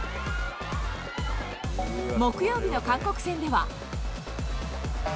木曜日の韓国戦では。